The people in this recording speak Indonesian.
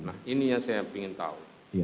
nah ini yang saya ingin tahu